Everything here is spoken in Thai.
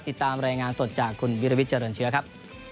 ติดตามรายงานสดจากคุณวิรวิทย์เจริญเชื้อครับ